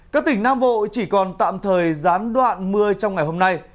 các tỉnh nam bộ chỉ còn tạm thời gián đoạn mưa trong ngày hôm nay